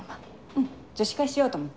うん女子会しようと思って。